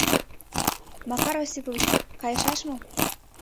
— Макар Осипович кайышаш мо?